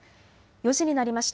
４時になりました。